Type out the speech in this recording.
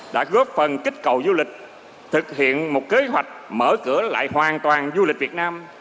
đã góp phần kích cầu du lịch thực hiện một kế hoạch mở cửa lại hoàn toàn du lịch việt nam